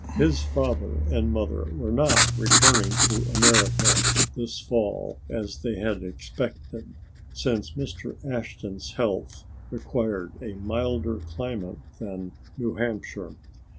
His father and mother were not returning to America this fall as they had expected, since Mr. Ashton's health required a milder climate than New Hampshire.